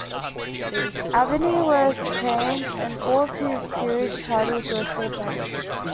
Albany was attainted and all of his peerage titles were forfeited.